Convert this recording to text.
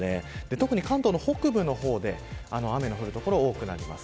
特に関東の北部で雨の降る所多くなります。